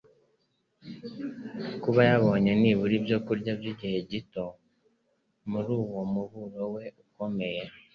kuba yabonye nibura ibyo kurya by'igihe gito muri uwo muburo we ukomeye.